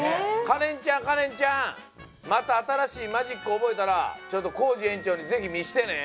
かれんちゃんかれんちゃんまたあたらしいマジックおぼえたらちょっとコージえんちょうにぜひ見してね。